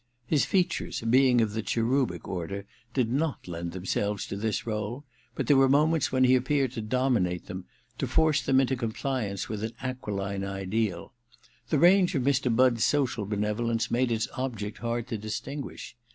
His features, being of the cherubic order, did not lend them selves to this role ; but there were moments when he appeared to dominate them, to force them into compliance with an aquiline ideal. The range of Mr. Budd's social benevolence made its object hard to distinguish.